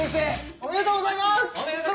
おめでとうございます。